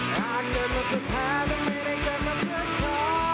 ถ้าเกิดมันจะแพ้มันไม่ได้เกิดมาเพื่อเธอ